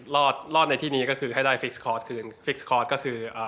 รอดรอดในที่นี้ก็คือให้ได้ฟิกสคอร์สคืนฟิกสคอร์สก็คืออ่า